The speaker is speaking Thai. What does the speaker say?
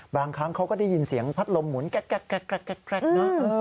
บางครั้งเขาก็ได้ยินเสียงพัดลมหมุนแก๊กนะ